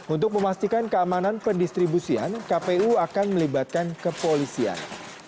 untuk memastikan keamanan pendistribusian kpu akan melibatkan kepolisian